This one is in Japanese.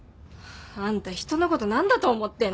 あんた人のこと何だと思ってんの？